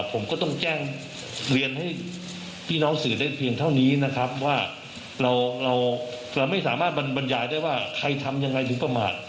ผมก็ต้องแจ้งเรียนให้พี่น้องสื่อได้เพียงเท่านี้นะครับว่าเราไม่สามารถบรรยายได้ว่าใครทำยังไงถึงประมาท